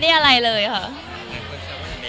มันคิดว่าจะเป็นรายการหรือไม่มี